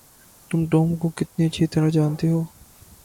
تم ٹام کو کتنی اچھی طرح جانتے ہو؟